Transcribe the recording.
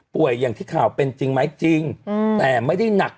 อย่างที่ข่าวเป็นจริงไหมจริงแต่ไม่ได้หนัก